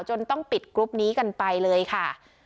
ต้องปิดกรุ๊ปนี้กันไปเลยค่ะ